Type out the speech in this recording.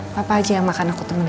papa aja yang makan aku temenin ya